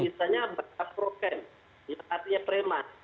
misalnya bahasa progen artinya preman